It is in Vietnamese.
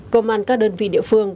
công an các đơn vị địa phương